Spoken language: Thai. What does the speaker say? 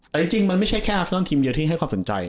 แต่จริงมันไม่ใช่แค่อาเซนอนทีมเดียวที่ให้ความสนใจ